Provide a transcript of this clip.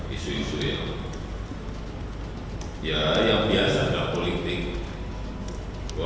isu isu yang biasa dalam politik